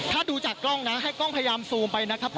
ถ้าดูจากกล้องนะให้กล้องพยายามซูมไปนะครับ